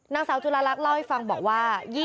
นางสาวจุลาลักษณ์เล่าให้ฟังบอกว่า